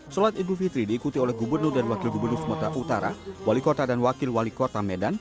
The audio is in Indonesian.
sholat idul fitri diikuti oleh gubernur dan wakil gubernur sumatera utara wali kota dan wakil wali kota medan